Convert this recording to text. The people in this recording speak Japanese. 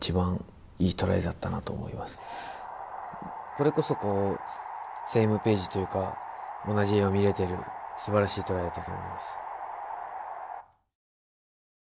これこそセームページというか同じ絵を見れているすばらしいトライだったと思います。